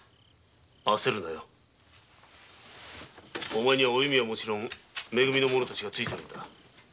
お前にはおゆみはもちろんめ組の者たちがついているんだ。